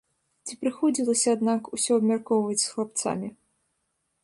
Ці прыходзілася, аднак, усё абмяркоўваць з хлапцамі?